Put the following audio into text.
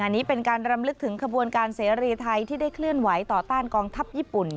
นี่เป็นการรำลึกถึงขบวนการเสรีไทยที่ได้เคลื่อนไหวต่อต้านกองทัพญี่ปุ่น